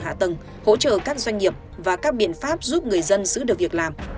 hạ tầng hỗ trợ các doanh nghiệp và các biện pháp giúp người dân giữ được việc làm